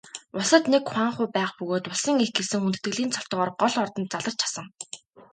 Улсад нэг хуанху байх бөгөөд Улсын эх гэсэн хүндэтгэлийн цолтойгоор гол ордонд заларч асан.